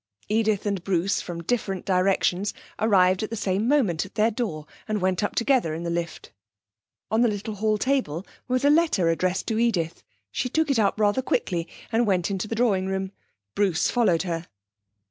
Edith and Bruce, from different directions, arrived at the same moment at their door, and went up together in the lift. On the little hall table was a letter addressed to Edith. She took it up rather quickly, and went into the drawing room. Bruce followed her.